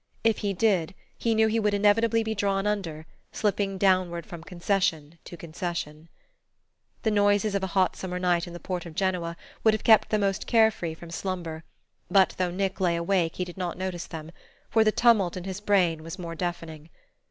If he did, he knew he would inevitably be drawn under, slipping downward from concession to concession.... The noises of a hot summer night in the port of Genoa would have kept the most care free from slumber; but though Nick lay awake he did not notice them, for the tumult in his brain was more deafening.